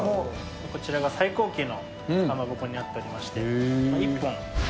こちらが最高級のかまぼこになっておりまして。